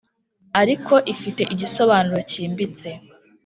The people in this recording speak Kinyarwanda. ariko ifite igisobanuro kimbitse.